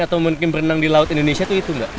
atau mungkin berenang di laut indonesia itu itu nggak